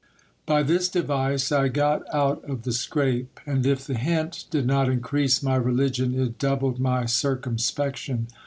By this device I got out of the scrape ; and if the hint did not increase my religion, it doubled my circumspection.